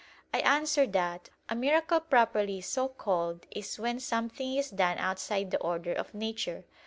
I answer that, A miracle properly so called is when something is done outside the order of nature.